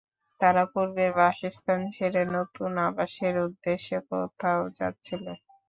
তারা পূর্বের বাসস্থান ছেড়ে নতুন আবাসের উদ্দেশে কোথাও যাচ্ছিল।